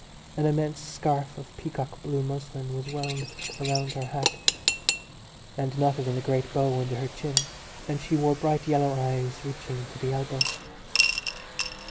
An immense scarf of peacock blue muslin was wound round her hat and knotted in a great bow under her chin; and she wore bright yellow gloves, reaching to the elbow.